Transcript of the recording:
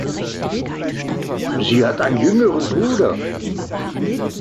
Sie hat einen jüngeren Bruder.